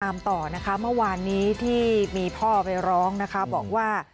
ต่อนะคะเมื่อวานนี้ที่มีพ่อไปร้องนะคะบอกว่า